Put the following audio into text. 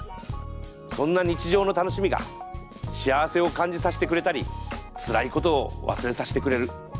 そんな日常の楽しみが幸せを感じさしてくれたりつらいことを忘れさしてくれる。